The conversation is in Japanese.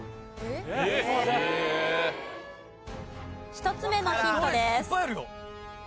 １つ目のヒントです。